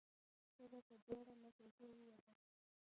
ښځه په بيړه له کوټې ووته.